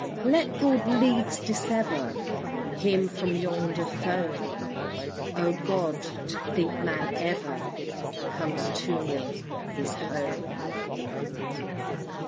Let broad leagues dissever Him from yonder foam Oh, God! to think Man ever Comes too near his Home!